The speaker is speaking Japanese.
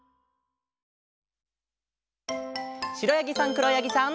しろやぎさんくろやぎさん。